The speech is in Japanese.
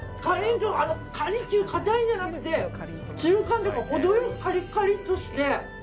カリッと硬いんじゃなくて中間というか程良くカリカリとして。